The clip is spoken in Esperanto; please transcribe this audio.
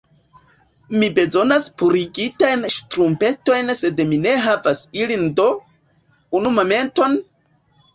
Mi bezonas purigitajn ŝtrumpetojn sed mi ne havas ilin do... unu momenton...